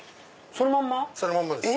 そのまんまです。